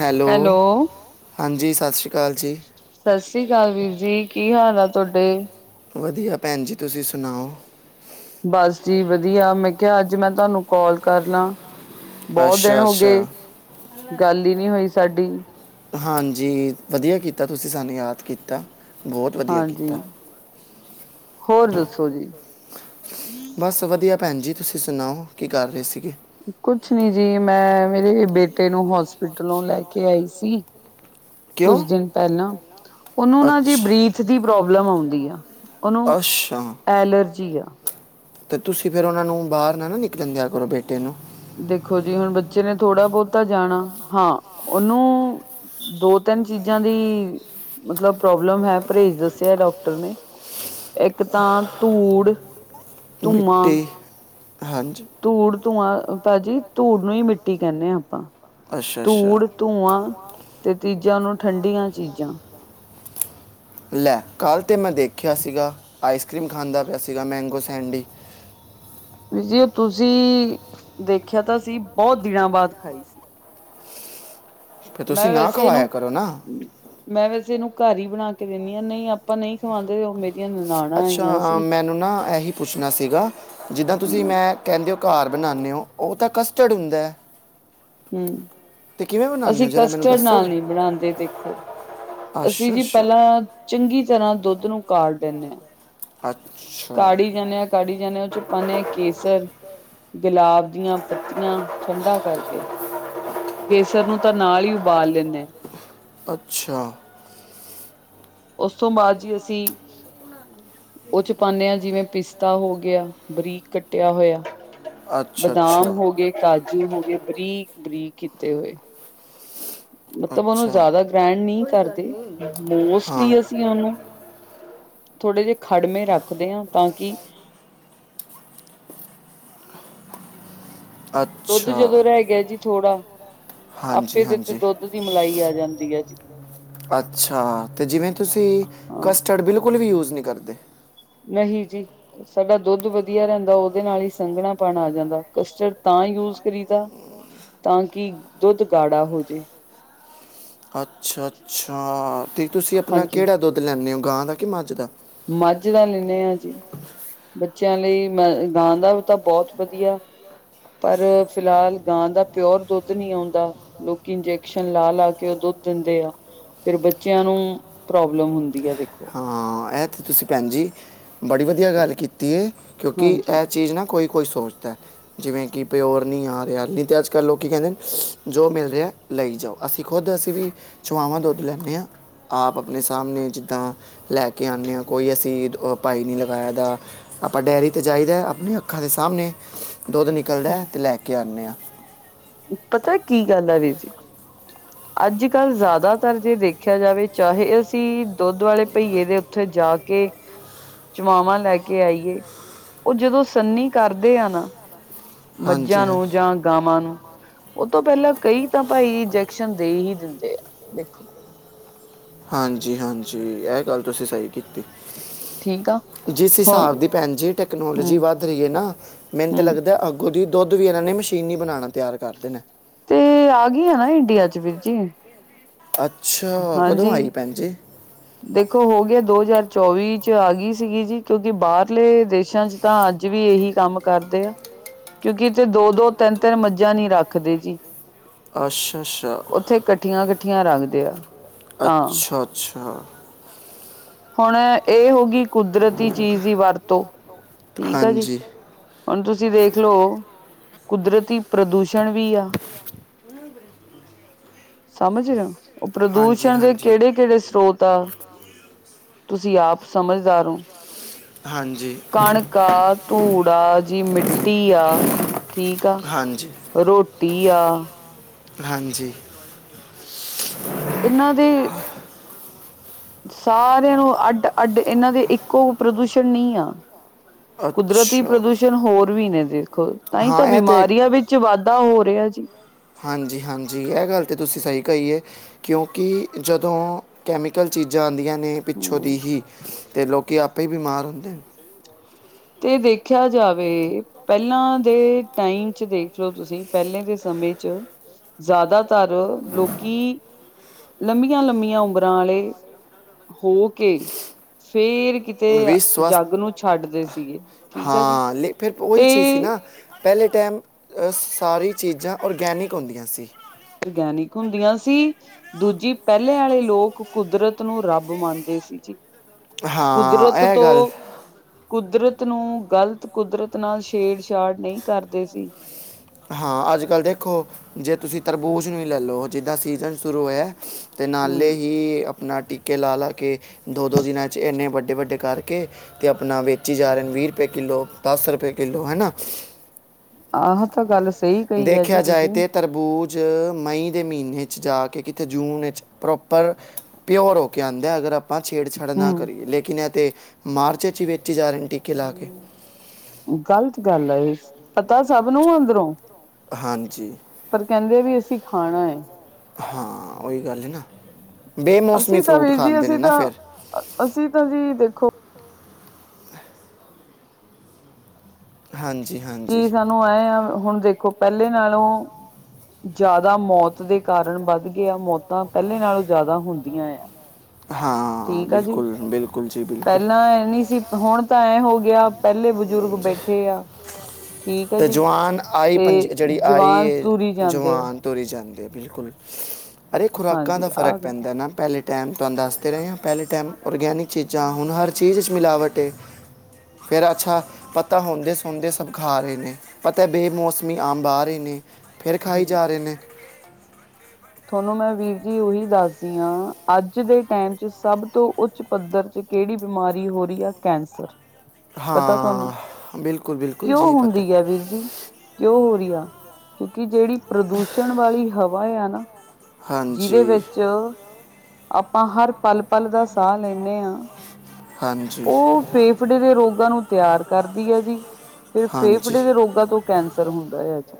Hello, ਹਾਂਜੀ ਸਤਿ ਸ਼੍ਰੀ ਅਕਾਲ ਜੀ। ਸਤਿ ਸ੍ਰੀ ਅਕਾਲ ਵੀਰ ਜੀ, ਕੀ ਹਾਲ ਆ ਤੁਹਾਡੇ? ਵਧੀਆ ਭੈਣ ਜੀ, ਤੁਸੀਂ ਸੁਣਾਓ? ਬਸ ਜੀ ਵਧੀਆ ਮੈਂ ਕਿਹਾ ਅੱਜ ਮੈਂ ਤੁਹਾਨੂੰ ਕਾਲ ਕਰ ਲਾਂ। ਬਹੁਤ ਦਿਨ ਹੋ ਗਏ ਗੱਲ ਹੀ ਨਹੀਂ ਹੋਈ ਸਾਡੀ। ਹਾਂਜੀ, ਵਧੀਆ ਕੀਤਾ ਤੁਸੀਂ ਸਾਨੂੰ ਯਾਦ ਕੀਤਾ, ਬਹੁਤ ਵਧੀਆ ਕੀਤਾ। ਹੋਰ ਦੱਸੋ ਜੀ। ਬਸ ਵਧੀਆ ਭੈਣ ਜੀ, ਤੁਸੀਂ ਸੁਣਾਓ ਕੀ ਕਰ ਰਹੇ ਸੀਗੇ? ਕੁਛ ਨੀ ਜੀ, ਮੈਂ ਮੇਰੇ ਬੇਟੇ ਨੂੰ ਹੋਸਪਿਟਲੋਂ ਲੈ ਕੇ ਆਈ ਸੀ। ਕੁਛ ਦਿਨ ਪਹਿਲਾਂ ਉਹਨੂੰ ਨਾ ਜੀ ਬਰੀਥ ਦੀ ਪ੍ਰੋਬਲਮ ਹੋਗਈ ਆ। ਉਹਨੂੰ ਐਲਰਜੀ ਆ। ਤੇ ਤੁਸੀਂ ਫੇਰ ਉਹਨਾ ਨੂੰ ਬਾਹਰ ਨਾ ਨਾ ਨਿਕਲਣ ਦਿਆ ਕਰੋ ਬੇਟੇ ਨੂੰ। ਦੇਖੋ ਜੀ ਹੁਣ ਬੱਚੇ ਨੇ ਥੋੜ੍ਹਾ ਬਹੁਤਾ ਜਾਣਾ, ਹਾਂ ਉਹਨੂੰ ਦੋ-ਤਿੰਨ ਚੀਜ਼ਾਂ ਦੀ ਮਤਲਬ ਪ੍ਰੋਬਲਮ ਹੈ ਪਰਹੇਜ ਦੱਸਿਆ ਡਾਕਟਰ ਨੇ। ਇੱਕ ਤਾਂ ਧੂੜ ਮਿੱਟੀ ਹਾਂਜੀ। ਧੂੜ -ਧੂੰਆਂ ਭਾਜੀ ਧੂੜ ਨੂੰ ਹੀ ਮਿੱਟੀ ਕਹਿੰਦੇ ਹਾਂ ਆਪਾਂ ਧੂੜ ਧੂੰਆਂ ਤੇ ਤੀਜਾ ਉਹਨੂੰ ਠੰਡੀਆਂ ਚੀਜ਼ਾਂ। ਲੈ ਕੱਲ੍ਹ ਤਾਂ ਮੈਂ ਦੇਖਿਆ ਸੀਗਾ ਆਈਸ ਕਰ੍ਰੀਮ ਖਾਂਦਾ ਪਿਆ ਸੀਗਾ ਮੈਂਗੋ ਸੈਂਡੀ। ਵੀਰ ਜੇ ਤੁਸੀਂ ਦੇਖਿਆ ਤਾਂ ਸੀ ਬਹੁਤ ਦਿਨਾਂ ਬਾਅਦ ਖਾਈ ਸੀ। ਮੈਂ ਵੈਸੇ ਇਹਨੂੰ ਮੈਂ ਵੈਸੇ ਇਹਨੂੰ, ਘਰ ਹੀ ਬਣਾ ਕੇ ਦਿੰਦੀ ਹਾਂ ਨਹੀਂ ਆਪਾਂ ਨਹੀਂ ਖਵਾਂਦੇ ਉਹ ਮੇਰੀ ਵੀ ਇਹਨੇ ਨਾਲ ਅੱਛਾ ਮੈਨੂੰ ਨਾ ਇਹੀ ਪੁੱਛਣਾ ਸੀਗਾ ਜਿੱਦਾਂ ਤੁਸੀਂ, ਮੈਂ ਕਹਿੰਦੇ ਹੋ ਘਰ ਬਣਾਉਂਦੇ ਹੋ ਉਹ ਤਾਂ ਕਸਟਰਡ ਹੁੰਂਦਾ ਏ। ਹੂੰ। ਅਸੀਂ ਕਸਟਰਡ ਨਾਲ ਨਹੀਂ ਬਣਾਉਦੇ ਦੇਖੋ, ਅਸੀਂ ਜੀ ਪਹਿਲਾਂ ਚੰਗੀ ਤਰ੍ਹਾਂ ਦੁੱਧ ਨੂੰ ਕਾਣ ਲਿਨੇ ਆ ਅੱਛ ਕਾੜੀ ਜਾਣਿਆ, ਕਾੜੀ ਜਾਣਿਆ ਉਸ ਚੇ ਪਾਨਿਆ ਕੇਸਰ ਗੁਲਾਬ ਦੀਆਂ ਪੱਤੀਆਂ ਠੰਡਾ ਕਰਕੇ ਕੇਸਰ ਨੂੰ ਤਾਂ ਨਾਲ ਹੀ ਉਬਾਲ ਲੈਂਨੇ ਅੱਛਾ। ਉਸ ਤੋਂ ਬਾਅਦ ਜੀ ਅਸੀਂ ਉਹ ਚ ਪਾਨੇ ਆ ਜਿਵੇਂ ਪਿਸਤਾ ਹੋ ਗਿਆ ਬਰੀਕ ਕੱਟਿਆ ਹੋਇਆ। ਬਦਾਮ ਹੋ ਗਏ, ਕਾਜੂ ਹੋ ਗਏ ਬਰੀਕ-ਬਰੀਕ ਕੀਤੇ ਹੋਏ। ਮਤਲਬ ਉਹਨੂੰ ਜ਼ਿਆਦਾ ਗ੍ਰੈਂਡ ਨਹੀਂ ਕਰਦੇ ਮੋਸਟਲੀ ਅਸੀਂ ਉਹਨੂੰ ਥੋੜੇ ਜਿਹੇ ਖੜਮੇ ਰੱਖਦੇ ਹਾਂ ਤਾਂ ਕਿ ਦੁੱਧ ਜਦੋਂ ਰਹਿ ਗਿਆ ਜੀ ਥੋੜਾ, ਆਪੇ ਦੇ ਉਤੇ ਦੁੱਧ ਦੀ ਮਲਾਈ ਆ ਜਾਂਦੀ ਹੈ ਜੀ। ਅੱਛਾ ਤੇ ਜਿਵੇਂ ਤੁਸੀਂ ਕਸਟਰਡ ਬਿਲਕੁਲ ਵੀ ਯੂਜ ਨਹੀਂ ਕਰਦੇ। ਨਹੀਂ ਜੀ। ਸਾਡਾ ਦੁੱਧ ਵਧੀਆ ਰਹਿੰਦਾ ਉਹਦੇ ਨਾਲ ਹੀ ਸੰਘਣਾ ਪਣ ਆ ਜਾਂਦਾ, ਕਸਟਰਡ ਤਾਂ ਯੂਜ ਕਰੀਦਾ, ਤਾਂ ਕਿ ਦੁੱਧ ਗਾੜਾ ਹੋਜੇ। ਅੱਛਾ- ਅੱਛਾ ਅ, ਤੇ ਤੁਸੀਂ ਆਪਣਾ ਕਿਹੜਾ ਦੁੱਧ ਲੈਂਨੇ ਹੋ ਗਾਂਹ ਦਾ ਕਿ ਮੱਝ ਦਾ। ਮੱਝ ਦਾ ਲੈਂਨੇ ਹਾਂ ਜੀ। ਬੱਚਿਆਂ ਲਈ ਮੈਂ ਗਾ ਦਾ ਹੋ ਤਾਂ ਬਹੁਤ ਵਧੀਆ। ਪਰ ਫਿਲਹਾਲ ਗਾਂ ਦਾ ਪਿਓਰ ਦੁੱਧ ਨਹੀਂ ਆਉਂਦਾ। ਲੋਕੀ ਇੰਜੈਕਸ਼ਨ ਲਾ- ਲਾ ਕੇ ਉਹ ਦੁੱਧ ਦਿੰਦੇ ਆ। ਫੇਰ ਬੱਚਿਆਂ ਨੂੰ ਪ੍ਰੋਬਲਮ ਹੁੰਦੀ ਆ ਦੇਖੋ। ਐ ਤੇ ਤੁਸੀਂ ਭੈਣ ਜੀ ਬੜੀ ਵਧੀਆ ਗੱਲ ਕੀਤੀ ਏ ਕਿਉਂਕਿ ਇਹ ਚੀਜ਼ ਨਾ, ਕੋਈ- ਕੋਈ ਸੋਚਦਾ। ਜਿਵੇਂ ਕਿ ਪਿਓਰ ਨਹੀਂ ਆ ਰੇਆ ਨਹੀਂ ਤੇ ਅੱਜ ਕੱਲ ਲੋਕ ਕਹਿੰਦੇ ਜੋ ਮਿਲ ਰਿਹਾ। ਲਈ ਜਾਓ, ਅਸੀਂ ਖੁਦ ਅਸੀਂ ਵੀ ਚੁਆਵਾਂ ਦੁੱਧ ਲੈਂਨੇ ਹਾਂ। ਆਪ ਆਪਣੇ ਸਾਹਮਣੇ ਜਿੱਦਾਂ ਲੈ ਕੇ ਆਉਂਨੇ ਹਾਂ, ਕੋਈ ਅਸੀਂ ਭਾਈ ਨਹੀਂ ਲਗਾਇ ਦਾ। ਆਪਾਂ ਡੇਅਰੀ ਤੇ ਜਾਈਦਾ ਆਪਣੇ ਅੱਖਾਂ ਦੇ ਸਾਹਮਣੇ ਦੁੱਧ ਨਿਕਲਦਾ ਤੇ ਲੈ ਕੇ ਆਉਂਨੇ ਆ। ਪਤਾ ਕੀ ਗੱਲ ਆ ਵੀਰ ਜੀ, ਅੱਜ ਕੱਲ ਜ਼ਿਆਦਾਤਰ ਜੇ ਦੇਖਿਆ ਜਾਵੇ ਚਾਹੇ ਅਸੀਂ ਦੁੱਧ ਵਾਲੇ ਪਹੀਏ ਦੇ ਉ, ਉੱਥੇ ਜਾ ਕੇ, ਚੁਮਾਵਾਂ ਲੈ ਕੇ ਆਈਏ, ਉਹ ਜਦੋਂ ਸੰਨੀ ਕਰਦੇ ਆ ਨਾ, ਮੱਝਾਂ ਨੂੰ ਜਾਂ ਗਾਵਾਂ ਨੂੰ, ਉਹ ਤੋਂ, ਪਹਿਲਾਂ ਕਈ ਤਾਂ ਭਾਈ ਇੰਜੈਕਸ਼ਨ ਦੇ ਹੀ ਦਿੰਦੇ ਆ, ਦੇਖੋ। ਹਾਂਜੀ- ਹਾਂਜੀ ਇਹ ਗੱਲ ਤੁਸੀਂ ਸਹੀ ਕੀਤੀ। ਜਿਸ ਹਿਸਾਬ ਦੀ ਭੈਣ ਜੀ ਟੈਕਨੋਲੋਜੀ ਵੱ ਧ ਰੀ ਏ ਨਾ ਮੇਹਨ ਤੇ ਲੱਗਦਾ ਅੱਗੋਂ ਦੁੱਧ ਵੀ ਇਹਨਾਂ ਨੇ ਮਸ਼ੀਨੀ ਹੀ ਬਣਾਉਣਾ ਤਿਆਰ ਕਰ ਦੇਨਾ ਏਂ। ਤੇ ਆ ਗਈ ਆ ਹਾ ਇੰਡੀਆ ਚ ਵੀਰ ਜੀ, ਅੱਛਾ ਕਦੋਂ ਆਈ ਭੈਣ ਜੀ, ਦੇਖੋ ਹੋ ਗਿਆ ਦੋ ਹਜ਼ਾਰ ਚੋਵੀ ਚ ਆ ਗਈ ਸੀਗੀ ਜੀ, ਕਿਉਂਕਿ ਬਾਹਰਲੇ ਦੇਸਾਂ ਚ। ਤਾਂ ਅੱਜ ਵੀ ਇਹੀ ਕੰਮ ਕਰਦੇ ਆ, ਕਿਉਂਕਿ ਇਥੇ ਦੋ- ਦੋ ਤਿੰਨ- ਤਿੰਨ ਮੱਝਾਂ ਨੀ ਰੱਖਦੇ ਜੀ, ਅੱਸਾ਼- ਅੱਸਾ਼। ਇਕੱਠੀਆਂ- ਇਕੱਠੀਆਂ ਰੱਖਦੇ ਆ। ਅੱਛਾ- ਅੱਛਾ। ਹੁਣ ਇਹ ਹੋ ਗਈ ਕੁਦਰਤੀ ਚੀਜ਼ ਦੀ ਵਰਤੋਂ, ਠੀਕ ਆ ਜੀ। ਹੁਣ ਤੁਸੀਂ ਦੇਖ ਲੋ, ਕੁਦਰਤੀ ਪ੍ਰਦੂਸ਼ਣ ਵੀ ਆ। ਸਮਝ ਰਹੇ ਓ, ਉਹ ਪ੍ਰਦੂਸ਼ਣ ਦੇ ਕਿਹੜੇ- ਕਿਹੜੇ ਸਰੋਤ ਆ। ਤੁਸੀਂ ਆਪ ਸਮਝਦਾਰ ਹੋ। ਹਾਂਜੀ। ਕਾਹ, ਧੂੜ ਆ ਜੀ, ਮਿੱਟੀ ਆ ਠੀਕ ਆ। ਰੋਟੀ ਆ। ਹਾਂਜੀ। ਇਹਨਾਂ ਦੀ, ਸਾਰਿਆਂ ਨੂੰ ਅੱਡ- ਅੱਡ ਇਹਨਾਂ ਦੇ ਇੱਕੋ ਪ੍ਰਦੂਸ਼ਣ ਨਹੀਂ ਆ। ਕੁਦਰਤੀ ਪ੍ਰਦੂਸ਼ਣ ਹੋਰ ਵੀ ਨੇ ਦੇਖੋ, ਤਾਂ ਹੀ ਤਾਂ ਬਿਮਾਰੀਆਂ ਵਿ- ਚ ਵਾਧਾ ਹੋ ਰਿਹਾ ਜੀ। ਹਾਂਜੀ -ਹਾਂਜੀ ਇਹ ਗੱਲ ਤਾਂ, ਤੁਸੀਂ ਸਹੀ ਕਹੀਏ। ਕਿਉਂਕਿ, ਜਦੋਂ ਕੈਮੀਕਲ ਚੀਜ਼ਾਂ ਆਉਂਦੀਆਂ। ਪਿੱਛੋਂ ਦੀ ਹੀ, ਅਤੇ ਲੋਕ ਆਪੇ ਹੀ ਬਿਮਾਰ ਹੁੰਦੇ। ਤੇ, ਦੇਖਿਆ ਜਾਵੇ ਪਹਿਲਾਂ ਦੇ ਟਾਈਮ ਚ ਦੇਖ ਲਓ, ਤੁਸੀਂ ਪਹਿਲੇ ਦੇ ਸਮੇਂ ਚ। ਜ਼ਿਆਦਾਤਰ, ਲੋਕੀ ਲੰਬੀਆਂ- ਲੰਬੀਆਂ ਉਮਰਾਂ ਆਲੇ, ਹੋ ਕੇ ਫੇਰ ਕਿਤੇ। ਤੇ ਜੱਗ ਨੂੰ ਛੱਡਦੇ ਸੀਗੇ, ਠੀਕ ਆ ਜੀ ਤੇ ਪਹਿਲੇ ਟਾਈਮ ਸਾਰੀ ਚੀਜ਼ਾਂ ਔਰਗੈਨਿਕ ਹੁੰਦੀਆਂ ਸੀ। ਵਿਗਿਆਨਿਕ ਹੁੰਦੀਆਂ ਸੀ। ਦੂਜੀ ਪਹਿਲੇ ਵਾਲੇ ਲੋਕ, ਕੁਦਰਤ ਨੂੰ ਰੱਬ ਮੰਨਦੇ ਸੀ ਜੀ। ਕੁਦਰਤ ਤੋਂ। ਕੁਦਰਤ ਨੂੰ ਗ਼ਲਤ, ਕੁਦਰਤ ਨਾਲ ਛੇੜਛਾੜ ਨਹੀਂ ਕਰਦੇ ਸੀ ਹਾਂ, ਅੱਜ ਕੱਲ੍ਹ ਦੇਖੋ, ਜੇ ਤੁਸੀਂ ਤਰਬੂਜ਼ ਨੂੰ ਵੀ ਲੈ ਲਓ, ਜਿੱਦਾਂ ਸੀਜ਼ਨ ਸ਼ੁਰੂ ਹੋਇਆ। ਤੇ ਨਾਲੇ ਹੀ, ਆਪਣਾ ਟੀਕੇ ਲਾ -ਲਾ ਕੇ, ਦੋ, ਦੋ ਦਿਨਾਂ 'ਚ ਇੰਨੇ ਵੱਡੇ ਵੱਡੇ ਕਾਰ। ਕੇ ਅਤੇ ਆਪਣਾ ਵੇਚੀ ਜਾ ਰਹੇ ਵੀਹ ਰੁਪਏ ਕਿੱਲੋ ਦਸ ਰੁਪਏ ਕਿੱਲੋ ਹੈ ਨਾ। ਆਹਾਂ, ਤਾਂ ਗੱਲ ਸਹੀ ਕਹੀ ਹੈ ਜੀ ਤੁਸੀਂ। ਤਰਬੂਜ, ਮਈ ਦੇ ਮਹੀਨੇ, ਜਾ ਕੇ ਕਿਤੇ ਜੂਨ ਵਿੱਚ ਪ੍ਰੋਪਰ ਪਿਓਰ ਹੋ ਕੇ ਆਂਦੇ ਆ, ਅਗਰ ਆਪ। ਆਪਾਂ ਛੇੜਛੜ ਨਾ ਕਰੀਏ, ਲੇਕਿਨ ਇਹ ਤੇ ਮਾਰਚ ਚ ਵਿੱਚ ਜਾ ਰਹੇ ਟੀਕੇ ਲਾ ਕੇ। ਗ਼ਲਤ ਗੱਲ ਆ, ਇਹ ਪਤਾ ਸਭ ਨੂੰ ਅੰਦਰੋਂ। ਹਾਂਜੀ। ਪਰ ਕਹਿੰਦੇ ਵੀ, ਅਸੀਂ ਖਾਣਾ ਹੈ। ਹਾਂ ਉਹੀ ਗੱਲ ਨਾ, ਬੇਮੌਸਮੀ ਫਰੂਟ ਖਾਂਦੇ ਨੇ, ਨਾ ਫਿਰ ਅਸੀਂ ਤਾਂ ਜੀ ਦੇਖੋ। ਹਾਂਜੀ -ਹਾਂਜੀ। ਕੀ, ਸਾਨੂੰ ਆਏ ਆ, ਹੁਣ ਦੇਖੋ। ਪਹਿਲੇ ਨਾਲੋਂ ਜਿਆਦਾ, ਮੌਤ ਦੇ ਕਾਰਨ ਵੱਧ। ਇਹ ਮੌਤਾਂ ਪਹਿਲੇ ਨਾਲੋਂ, ਜ਼ਿਆਦਾ ਹੁੰਦੀਆਂ ਆ। ਠੀਕ ਆ ਜੀ, ਪਹਿਲਾਂ ਇੰਨੀ ਸੀ। ਹੁਣ, ਤਾਂ ਐਂ ਹੋ ਗਿਆ, ਪਹਿਲੇ ਬਜ਼ੁਰਗ ਬੈਠੇ ਆ। ਤੇ, ਜੁਆਨ ਆਈ, ਪੰਜ ਜਿਹੜੀ ਆਈ ਹੈ ਜੁਵਾਨ। ਤੁਰੀ ਜਾਂਦੇ, ਬਿਲਕੁਲ ਖੁਰਾਕਾਂ ਦਾ ਫਰਕ ਪੈਂਦਾ ਨਾ, ਪਹਿਲੇ। ਟਾਈਮ ਤੁਹਾਨੂੰ ਦੱਸਦੇ ਰਹੇ ਹਾਂ, ਪਹਿਲੇ ਟਾਈਮ ਔਰਗੈਨਿਕ ਚੀਜ਼ਾਂ ਹੁਣ, ਹਰ ਚੀਜ਼ 'ਚ ਮਿਲਾਵਟ ਏ ਫੇਰ ਅੱਛਾ, ਪਤਾ ਹੁੰਦੇ ਸੋਂਦੇ, ਸਭ ਖਾ ਰਹੇ ਨੇ। ਪਤੈ ਬੇਮੌਸਮੀ ਅੰਬ ਆ ਰੇ ਨੇ, ਫੇਰ ਖਾਈ ਜਾ ਰੇ ਨੇ। ਤੁਹਾਨੂੰ ਮੈਂ ਵੀਰ ਜੀ ਉਈ ਦੱਸਦੀ ਹਾਂ, ਅੱਜ ਦੇ ਟੈਮ ਚ ਸਬ ਤੋਂ ਉੱਚ ਪੱਧਰ ਚ ਕੇੜੀ ਬਿਮਾਰੀ ਹੋ ਰੀ ਐ, ਕੈਂਸਰ। ਪਤਾ ਤੁਹਾਨੂੰ, ਕਿਉਂ ਹੁੰਦੀ ਹੈ ਵੀਰ ਜੀ? ਕਯੋ ਹੋ ਰੀ ਆ, ਕਯੋਕਿ ਜੇੜੀ ਪ੍ਰਦੂਸ਼ਣ ਵਾਲੀ ਹਵਾ ਯਾਨਾ ਜਿਦੇ ਵਿੱਚ ਆਪਾਂ, ਹਰ ਪਲ ਪਲ ਦਾ ਸਾ ਲੈਨੇ ਆਂ। ਹਾਂਜੀ। ਫੇੱਫੜੇ ਦੇ ਰੋਗਾਂ ਨੂੰ ਤਯਾਰ ਕਰਦੀ ਐ ਜੀ। ਤੇ, ਫੇੱਫੜੇ ਦੇ ਰੋਗਾਂ ਤੋਂ ਕੈਂਸਰ ਹੁੰਦਾ ਐ ਜੀ।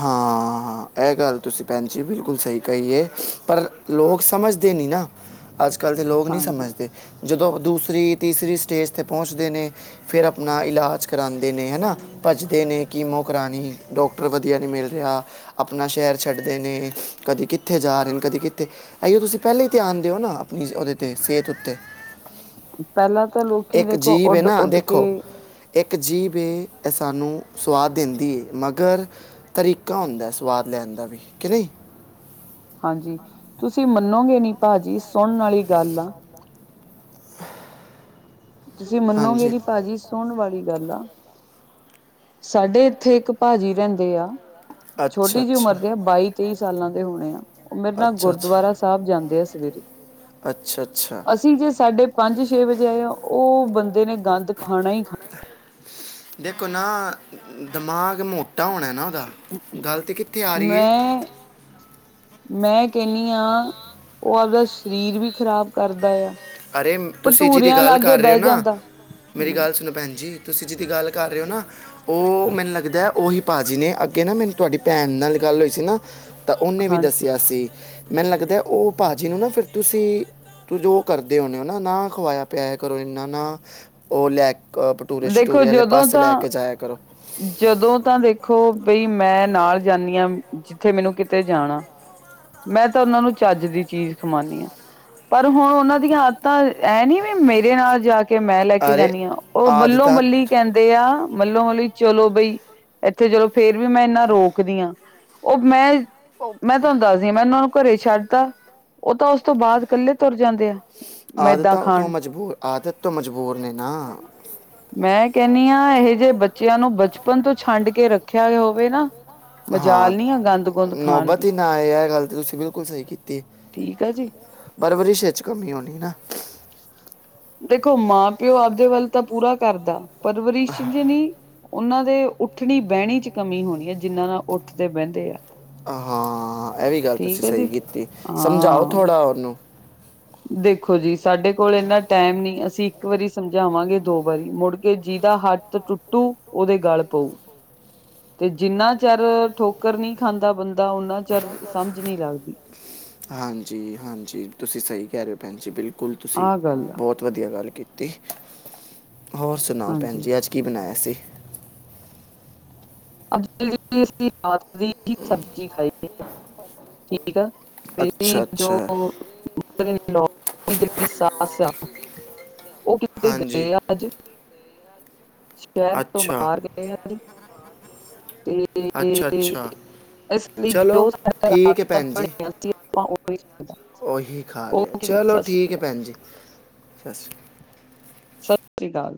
ਹਾਂ, ਐ, ਗੱਲ ਤੁਸੀ ਪੈਂਜੀ ਬਿਲਕੁਲ ਸਈ ਕਈ ਏ, ਪਰ ਲੋਗ ਸਮਝਦੇ ਨੀ ਨਾ, ਅੱਜ-ਕੱਲ ਦੇ ਲੋਗ ਨੀ ਸਮਝਦੇ। ਜਦੋਂ ਦੂਸਰੀ, ਤੀਸਰੀ ਸਟੇਜ ਤੇ ਪੋਂਚਦੇ ਨੇ ਫੇਰ ਆਪਨਾ ਇਲਾਜ ਕਰਾਂਦ ਦੇ ਨੇ ਹਨਾ, ਭੱਜਦੇ ਨੇ ਕਿਮੋ ਕਰਾਨੀ, ਡੋਕਟਰ ਵਦੀਆ ਨੀ ਮਿਲ ਰੇਆ ਅਪਨਾ ਸ਼ੈਰ ਛੱਡਦੇ ਨੇ, ਕਦੀ ਕਿੱਥੇ ਜਾ ਰਏ ਨੇ ਕਦੀ ਕਿੱਥੇ ਐਈਓ ਤੁਸੀ ਪੈਲੇ ਈ ਧਿਆਨ ਦੇਓ ਨਾ ਅਪਨੀ ਓਦੇ ਤੇ ਸੇਤ ਉੱਤੇ ਇਕ ਜੀਬ ਐ ਨਾ ਦੇਖੋ, ਇਕ ਜੀਬ ਵੇ ਐ ਸਾਨੂੰ ਸਵਾਦ ਦੇਂਦੀ ਏ ਮਗਰ ਤਰੀਕਾ ਹੁੰਦੈ ਸਵਾਦ ਲੈਨ ਦਾ ਵੀ, ਕੇ ਨਈ ਹਾਂਜੀ, ਤੁਸੀ ਮੰਨੋਗੇ ਨੀ ਭਾਜੀ ਸੁਨਨ ਆਲੀ ਗੱਲ ਆ। ਤੁਸੀਂ ਮੰਨੋਗੇ ਜੀ ਭਾਜੀ ਸੁਨਨ ਵਾਲੀ ਗੱਲ ਆ। ਸਾਡੇ ਏਥੇ ਇੱਕ ਭਾਜੀ ਰੈਂਦੇ ਆ, ਛੋਟੀ ਜੀ ਉਮਰ ਦੇ ਆ ਬਾਈ ਤੇਈ ਸਾਲਾਂ ਦੇ ਹੋਨੇ ਆ। ਓ ਮੇਰੇ ਨਾਲ ਗੁਰਦੁਆਰਾ ਸਾਬ ਜਾਂਦੇ ਆ ਸਵੇਰੇ, ਅਸੀ ਜੇ ਸਾਡੇ ਪੰਜ-ਛੇ ਵਜੇ ਆਏ ਆ, ਓ ਬੰਦੇ ਨੇ ਗੰਦ ਖਾਨਾ ਈ ਖਾ ਦੇਖੋ ਨਾ ਦਮਾਗ ਮੋਟਾ ਹੋਨੈ ਨਾ ਓਦਾ, ਗੱਲ ਤੇ ਕਿੱਥੇ ਆਰੀ ਏ ਮੈਂ ਕੈਨੀ ਆਂ, ਓ ਆਵਦਾ ਸ਼ਰੀਰ ਵੀ ਖ਼ਰਾਬ ਕਰਦਾ ਆ ਅਰੇ ਤੁਸੀ ਜੀਦੀ ਗੱਲ ਕਰ ਰਏ ਓ ਨਾ, ਮੇਰੀ ਗੱਲ ਸੁਨੋ ਭੈਨਜੀ ਤੁਸੀ ਜੀਦੀ ਗੱਲ ਕਰ ਰਏ ਓ ਨਾ ਓ ਮੈਨੂੰ ਲੱਗਦੈ ਓਹੀ ਭਾਜੀ ਨੇ ਅੱਗੇ ਨਾ ਮੈਨੂੰ ਤੁਆਡੀ ਭੈਨ ਨਾਲ ਗੱਲ ਹੋਈ ਸੀ ਨਾ ਤਾ ਓਨੇ ਵੀ ਦੱਸੇਆ ਸੀ, ਮੈਨੂੰ ਲੱਗਦੈ ਓ ਭਾਜੀ ਨੂੰ ਨਾ ਫੇਰ ਤੁਸੀ ਤੂੰ ਜੋ ਕਰਦੇ ਹੋਨੇ ਓ ਨਾ, ਨਾ ਖਵਾਯਾ ਪਿਆਯਾ ਕਰੋ ਏਨਾ ਨਾ, ਓ ਲੈਕ ਪ ਭਟੂਰੇ ਸਟੂਰੇ ਵਾਲੇ ਪਾਸੇ ਲੈ ਕੇ ਜਾਆ ਕਰੋ। ਜਦੋਂ ਤਾਂ ਦੇਖੋ ਬਈ ਮੈਂ ਨਾਲ ਜਾਨੀ ਆਂ, ਜਿੱਥੇ ਮੈਨੂੰ ਕਿਤੇ ਜਾਨਾ ਮੈਂ ਤਾ ਓਨਾਂ ਨੂੰ ਚੱਜ ਦੀ ਚੀਜ਼ ਖਵਾਨੀ ਆਂ। ਪਰ ਹੁਨ ਓਨਾਂ ਦੀਆਂ ਆਦਤਾਂ ਐ ਨੀ ਵੀ ਮੇਰੇ ਨਾਲ ਜਾ ਕੇ ਕੇ ਮੈਂ ਲੈਕੇ ਜਾਨੀ ਆਂ, ਓ ਮੱਲੋ ਮੱਲੀ ਕੈਂਦੇ ਆ ਮੱਲੋ ਮੱਲੀ ਚਲੋ ਬਈ, ਐਥੇ ਚਲੋ ਫੇਰ ਵੀ ਮੈਂ ਏਨਾ ਰੋਕਦੀ ਆਂ। ਓ ਮੈਂ, ਓ ਮੈਂ ਤਾਨੂੰ ਦੱਸਦੀ ਆਂ ਮੈਂ ਓਨਾਂ ਨੂੰ ਘਰੇ ਛੱਡਤਾ ਓ ਤਾ ਉਸ ਤੋ ਬਾਦ ਕੱਲੇ ਤੁਰ ਜਾਂਦੇ ਆ। ਆਦਤਾਂ ਤੋਂ ਮਜਬੂਰ, ਆਦਤ ਤੋ ਮਜਬੂਰ ਨੇ ਨਾ। ਮੈਂ ਕੈਨੀ ਆਂ ਏਹੇ ਜੇ ਬਚ ਬੱਚੇਆਂ ਨੂੰ ਬਚਪਨ ਤੋਂ ਛੰਡ ਕੇ ਰੱਖੇਆ ਗੇਆ ਹੋਵੇ ਨਾ ਹਾਂ, ਨੌਬਤ ਈ ਨਾ ਆਏ ਐ ਗੱਲ ਤੇ ਤੁਸੀ ਬਿਲਕੁਲ ਸਈ ਕੀਤੀ। ਠੀਕ ਆ ਜੀ। ਪਰਵਰਿਸ਼ ਵਿਚ ਕਮੀ ਹੋਨੀ ਨਾ। ਦੇਖੋ ਮਾਂ-ਪਿਓ ਆਪਦੇ ਵੱਲ ਤਾਂ ਪੂਰਾ ਕਰਦਾ, ਪਰਵਰਿਸ਼ ਚ ਨੀ ਓਨਾਂ ਦੇ ਉੱਠਣੀ-ਬੈਨੀ ਚ ਕਮੀ ਹੋਨੀ ਐ, ਜਿਨਾਂ ਨਾਲ ਉੱਠਦੇ ਬੈਂਦੇ ਆ। ਹਾਂ ਐਵੀ ਗੱਲ ਤੁਸੀਂ ਸਈ ਕੀਤੀ, ਸਮਝਾਓ ਥੋੜਾ ਓਨੂੰ ਦੇਖੋ ਜੀ ਸਾਡੇ ਕੋਲ ਏਨਾ ਟੈਮ ਨੀ ਅਸੀ ਇੱਕ ਵਾਰੀ ਸਮਝਾਵਾਂਗੇ ਦੋ ਵਾਰੀ ਮੁੜ ਕੇ ਜਿਦਾ ਹਾ ਤਾ ਟੁੱਟੂ ਓਦੇ ਗਲ ਪਊ ਤੇ ਜਿੰਨਾ ਚਿਰ ਠੋਕਰ ਨੀ ਖਾਂਦਾ ਬੰਦਾ ਓਨਾ ਚਿਰ ਸਮਝ ਨੀ ਲੱਗਦੀ। ਹਾਂਜੀ-ਹਾਂਜੀ ਤੁਸੀਂ ਸਈ ਕੈ ਰਏ ਓਂ ਭੈਨ ਜੀ ਬਿਲਕੁਲ ਤੁਸੀਂ ਬੋਤ ਵਦੀਆ ਗੱਲ ਕੀਤੀ, ਹੋਰ ਸਨਾਓ ਭੈਨ ਜੀ ਅੱਜ ਕੀ ਬਣਾਇਆ ਸੀ। ਅੱਜ [unintelligible] ਅਸੀ ਰਾਤ ਦੀ ਹੀ ਸਬਜ਼ੀ ਖਾਈ ਆ। ਠੀਕ ਆ, ਮੇਰੀ ਜੋ ਜਿਹੜੀ ਸਾਸ ਆ ਉਹ ਕਿਤੇ ਗਏ ਆ [inaudible] ਅੱਜ ਸ਼ਹਿਰ ਤੋਂ ਬਾਹਰ ਗਏ ਅੱਜ ਤੇ ਇਸ [inaudible] ਲਈ ਜੋ ਸਾਡ ਬਣੀਆਂ ਉਹ ਸਤਿ ਸ੍ਰੀ ਅਕਾਲ [inaudible] ਭੈਣਜੀ ਸਤਿ ਸ਼੍ਰੀ ਅਕਾਲ ਸਤਿ ਸ਼੍ਰੀ ਅਕਾਲ